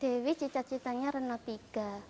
dewi cita citanya renang tiga